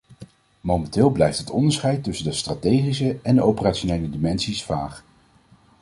Momenteel blijft het onderscheid tussen de strategische en de operationele dimensies vaag.